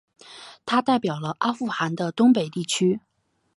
他代表了阿富汗的东北地区。